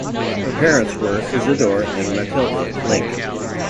Her parents were Isidor and Mathilde Link.